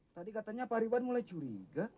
tadi katanya faridwan mulai curiga